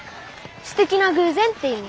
すてきな偶然って意味。